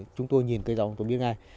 chúng tôi nhìn cây rau chúng tôi biết ngay